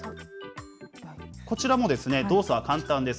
こちらも、動作は簡単です。